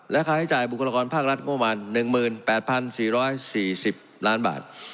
และค่าใช้จ่ายบุคลากรภาครัฐงบประมาณ๑๘๔๔๐ล้านบาท